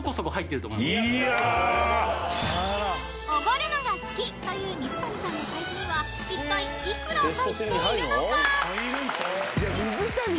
［おごるのが好きという水谷さんの財布にはいったい幾ら入っているのか？］